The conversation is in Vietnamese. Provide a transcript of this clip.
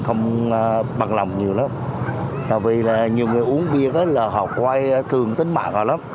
không bằng lòng nhiều lắm tại vì là nhiều người uống bia là họ quay cường tính mạng vào lắm